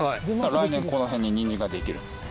来年この辺ににんじんができるんですね。